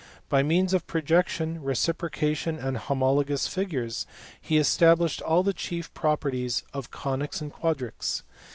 By means of pro jection, reciprocation, and homologous figures he established all the chief properties of conies and quadrics.